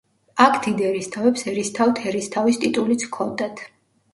აქ დიდ ერისთავებს ერისთავთერისთავის ტიტულიც ჰქონდათ.